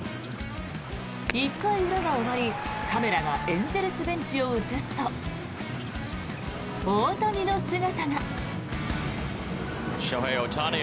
１回裏が終わり、カメラがエンゼルスベンチを映すと大谷の姿が。